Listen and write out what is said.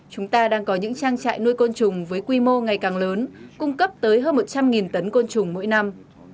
chúng ta đang có những trang trại nuôi côn trùng với quy mô ngày càng lớn cung cấp tới hơn một trăm linh tấn côn trùng mỗi năm